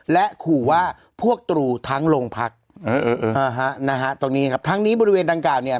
และขู่ว่าพวกตรูทั้งโรงพักนะฮะตรงนี้ครับทั้งนี้บริเวณดังกล่าวเนี่ย